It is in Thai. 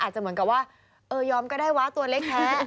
อาจจะเหมือนกับว่าเออยอมก็ได้วะตัวเล็กแท้